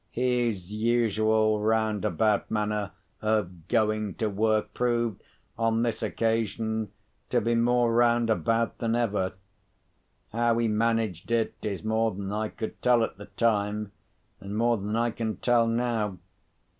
His usual roundabout manner of going to work proved, on this occasion, to be more roundabout than ever. How he managed it is more than I could tell at the time, and more than I can tell now.